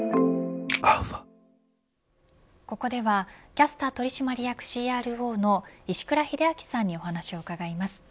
ここでは、キャスター取締役ＣＲＯの石倉秀明さんにお話を伺います。